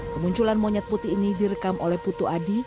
kemunculan monyet putih ini direkam oleh putu adi